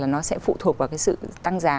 nó sẽ phụ thuộc vào sự tăng giá